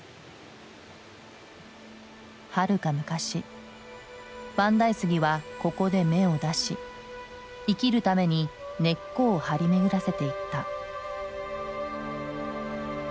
はるか昔万代杉はここで芽を出し生きるために根っこを張り巡らせていった。